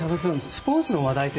スポーツの話題って